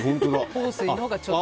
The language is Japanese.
豊水のほうがちょっと。